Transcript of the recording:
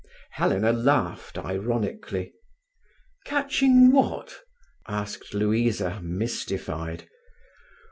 Helena laughed ironically. "Catching what?" asked Louisa, mystified.